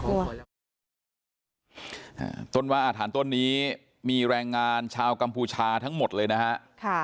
ต้นว่าอาถรรพต้นนี้มีแรงงานชาวกัมพูชาทั้งหมดเลยนะฮะ